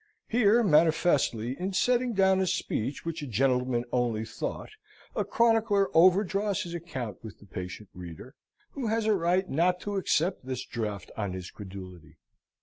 Here, manifestly, in setting down a speech which a gentleman only thought, a chronicler overdraws his account with the patient reader, who has a right not to accept this draft on his credulity.